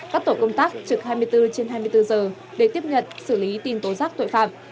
các tổ công tác trực hai mươi bốn trên hai mươi bốn giờ để tiếp nhận xử lý tin tố giác tội phạm